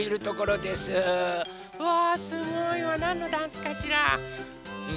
わすごいわなんのダンスかしら？